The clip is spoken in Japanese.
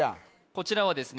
こちらはですね